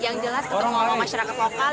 yang jelas ketemu masyarakat lokal